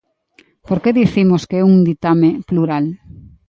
¿Por que dicimos que é un ditame plural?